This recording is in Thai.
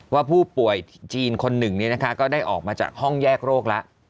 ว่าผู้ป่วยจีนคนหนึ่งก็ได้ออกมาจากห้องแยกโรคแล้ว